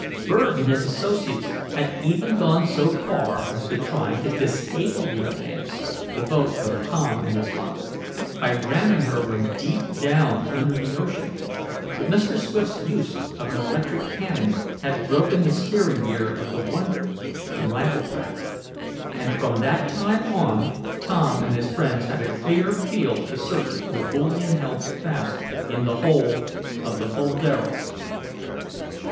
Berg and his associates had even gone so far as to try to disable the Advance, the boat of Tom and his father, by ramming her when deep down under the ocean, but Mr. Swift's use of an electric cannon had broken the steering gear of the Wonder, the rival craft, and from that time on Tom and his friends had a clear field to search for the bullion held fast in the hold of the Boldero.